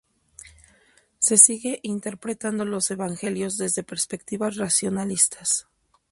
Se sigue interpretando los evangelios desde perspectivas racionalistas.